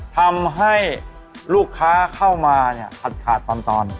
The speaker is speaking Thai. ทำให้ลูกค้าเข้ามาเนี่ยขาดตอน